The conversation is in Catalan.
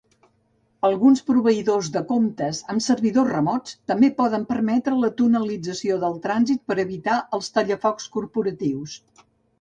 Alguns proveïdors de comptes en servidors remots també poden permetre la tunelització del trànsit per evitar els tallafocs corporatius.